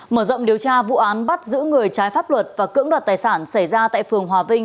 mở rộng điều tra vụ án bắt giữ người trái pháp luật và cưỡng đoạt tài sản xảy ra tại phường hòa vinh